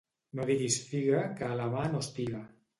No diguis figa que a la mà no estiga.